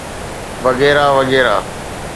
وغيره وغيره.